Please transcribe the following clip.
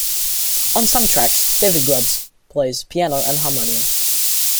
On some tracks David Grubbs plays piano and harmonium.